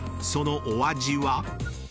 そのお味は？］